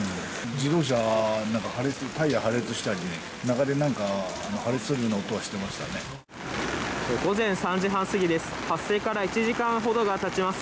自動車のタイヤ破裂したりね、中でなんか破裂するような音はし午前３時半過ぎです。